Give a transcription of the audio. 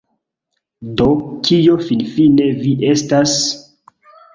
Do, kio finfine vi estas?